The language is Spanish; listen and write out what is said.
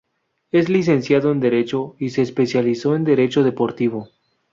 Es licenciado en Derecho y se especializó en Derecho deportivo.